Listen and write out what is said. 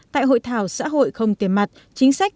tại hội thảo xã hội không tiền mặt chính sách